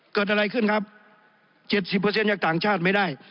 เกิดอะไรขึ้นครับ๗๐จากต่างชาติไม่ได้